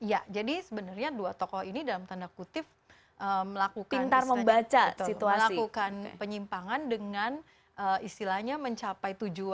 ya jadi sebenarnya dua tokoh ini dalam tanda kutip melakukan penyimpangan dengan istilahnya mencapai tujuan